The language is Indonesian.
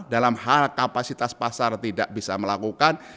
dalam hal kapasitas pasar tidak bisa melakukan